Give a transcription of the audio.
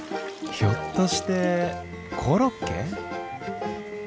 ひょっとしてコロッケ？